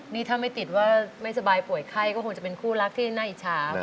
นี่ถ้าไม่ติดว่าไม่สบายป่วยไข้ก็คงจะเป็นคู่รักที่น่าอิจฉา